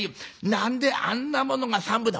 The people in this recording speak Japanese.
何であんなものが３分だ？」。